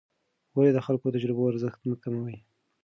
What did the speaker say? ولې د خلکو د تجربو ارزښت مه کم کوې؟